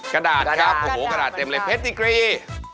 กระดาษครับแพร่ดิกรี